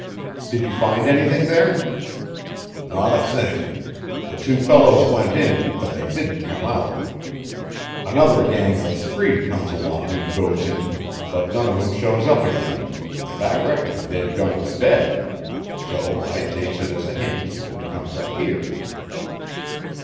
"Did you find anything there?" "Not a thing. The two fellows went in, but they didn't come out. Another gang of three comes along and goes in, but none of 'em shows up again, and I reckoned they'd gone to bed; so I takes it as a hint and comes up here."